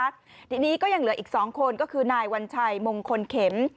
ทีนี้ก็ยังเหลืออีกสองคนก็คือนายวัญชัยมงคลเข็ม